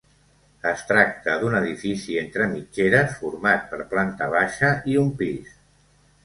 Es tracta d'un edifici entre mitgeres, format per planta baixa i un pis.